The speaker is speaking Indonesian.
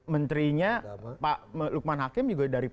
menterinya pak lukman hakim